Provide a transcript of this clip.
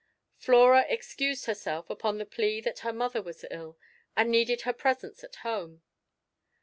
Flora excused herself, upon the plea that her mother was ill, and needed her presence at home.